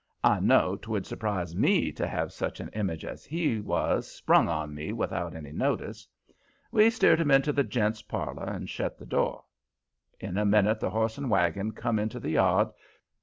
I know 'twould surprise ME to have such an image as he was sprung on me without any notice. We steered him into the gents' parlor, and shut the door. In a minute the horse and wagon come into the yard.